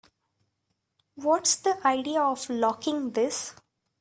What's the idea of locking this?